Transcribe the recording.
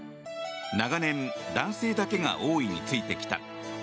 長年、男性だけが王位に就いてきた。